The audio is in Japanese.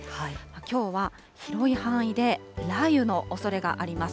きょうは広い範囲で雷雨のおそれがあります。